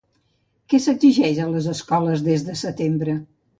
Què s'exigeix a les escoles des de setembre?